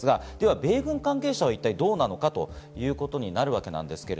米軍関係者はどうなのかということになるわけです。